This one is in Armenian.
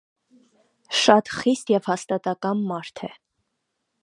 Շատ խիստ և հաստատակամ մարդ։